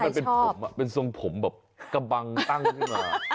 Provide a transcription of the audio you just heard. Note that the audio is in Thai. มันเป็นส่วนผมเป็นส่วนผมแบบกำบังตั้งขึ้นมา